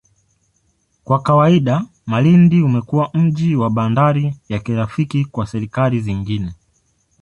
Kwa kawaida, Malindi umekuwa mji na bandari ya kirafiki kwa serikali zingine.